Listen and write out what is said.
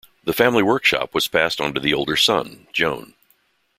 The family workshop was passed onto the older son, Joan.